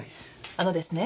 あのですね。